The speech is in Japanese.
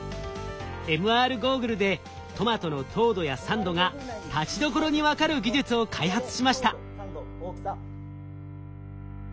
ＭＲゴーグルでトマトの糖度や酸度がたちどころに分かる技術を開発しました。